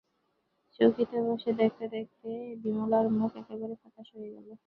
চৌকিতে বসে দেখতে দেখতে বিমলার মুখ একেবারে ফ্যাকাশে হয়ে গেল।